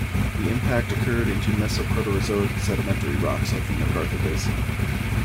The impact occurred into Mesoproterozoic sedimentary rocks of the McArthur Basin.